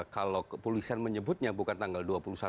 kalau kepolisian menyebutnya bukan tanggal dua puluh satu dua puluh dua